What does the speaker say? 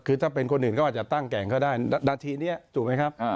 คือถ้าเป็นคนอื่นก็อาจจะตั้งแก่งก็ได้นาทีนี้ถูกไหมครับ